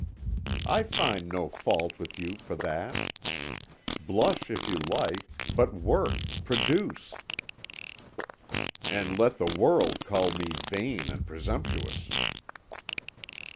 "I find no fault with you for that. Blush if you like but work, produce." "And let the world call me vain and presumptuous."